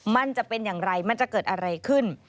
มันจะเป็นอย่างไรมันจะเกิดอะไรขึ้น